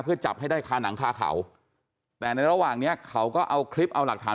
เพื่อจับให้ได้คาหนังคาเขาแต่ในระหว่างเนี้ยเขาก็เอาคลิปเอาหลักฐาน